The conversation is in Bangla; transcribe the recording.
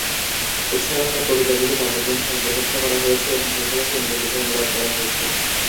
এছাড়াও, তার কবিতাগুলি কাব্যগ্রন্থে অন্তর্ভুক্ত করা হয়েছে এবং কিছু কিছু ইংরেজিতে অনুবাদ করা হয়েছে।